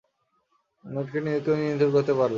নেটকে কেউ নিয়ন্ত্রণ করতে পারবে না!